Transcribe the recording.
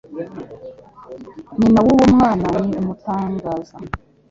Nyina wuwo mwana ni umutangaza.